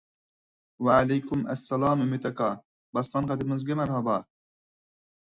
ۋەئەلەيكۇم ئەسسالام ئۈمىد ئاكا، باسقان قەدىمىڭىزگە مەرھابا!